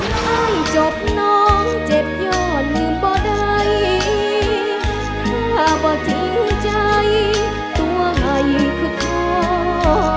คือร้องได้ให้ฟัง